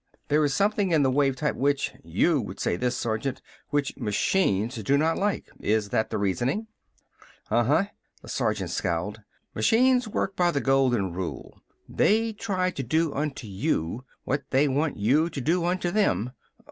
There is something in the wave type which you would say this, Sergeant! which machines do not like. Is that the reasoning?" "Uh uh!" The sergeant scowled. "Machines work by the golden rule. They try to do unto you what they want you to do unto them.